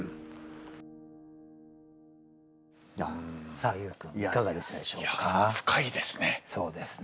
さあ優君いかがでしたでしょうか？